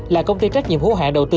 là công ty trách nhiệm hữu hạng đầu tư